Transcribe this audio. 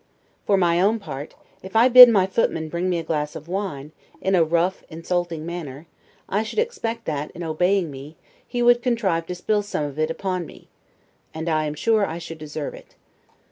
For my own part, if I bid my footman bring me a glass of wine, in a rough insulting manner, I should expect that, in obeying me, he would contrive to spill some of it upon me: and I am sure I should deserve it.